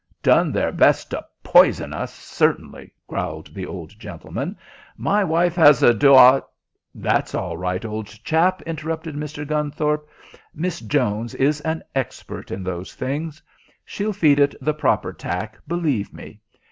"Done their best to poison us, certainly," growled the old gentleman. "My wife has a duo " "That's all right, old chap," interrupted Mr. Gunthorpe. "Miss Jones is an expert in those things. She'll feed it the proper tack, believe me.